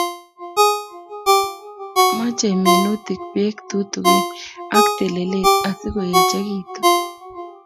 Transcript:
Mochei minutik Bek tutugin ak telelet asikoechikitu